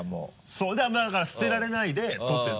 そうまぁだから捨てられないで取ってある。